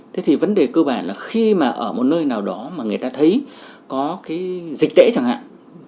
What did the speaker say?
thế thì vấn đề cơ bản là khi mà ở một nơi nào đó mà người ta thấy có cái dịch tễ chẳng hạn